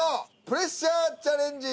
プレッシャーチャレンジ。